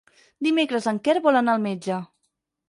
Dimecres en Quer vol anar al metge.